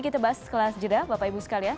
kita bahas kelas jeda bapak ibu sekalian